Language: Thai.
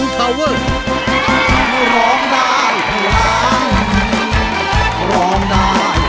สวัสดีครับ